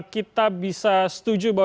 kita bisa setuju bahwa